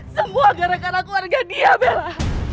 semua gara gara keluarga dia bella